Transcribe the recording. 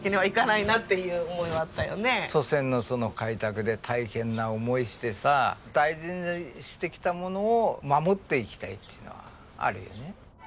祖先の開拓で大変な思いしてさ大事にしてきたものを守っていきたいっていうのはあるよね。